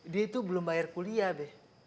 dia tuh belum bayar kuliah be